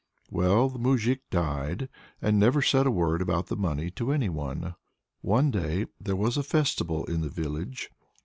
Well, the moujik died, and never said a word about the money to any one. One day there was a festival in the village.